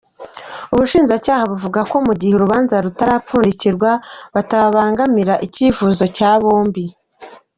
Ubushinjacyaha buvuga ko mu gihe urubanza rutarapfundikirwa batabangamira ikifuzo cy’aba bombi.